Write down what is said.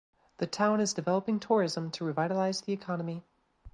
The town is developing tourism to revitalize the economy.